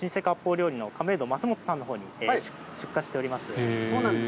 料理の亀戸升本さんのほうに出荷しております。